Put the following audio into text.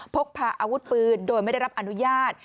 พกพาอาวุธปืนโดยไม่ได้รับอนุญาต